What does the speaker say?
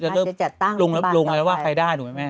จะเริ่มลงแล้วว่าใครได้หนูแม่